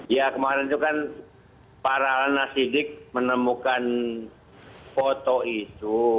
ya kemarin itu kan para nasidik menemukan foto itu